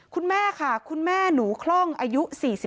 คุณแม่ค่ะคุณแม่หนูคล่องอายุ๔๒